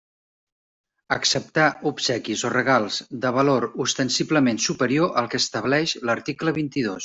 Acceptar obsequis o regals de valor ostensiblement superior al que estableix l'article vint-i-dos.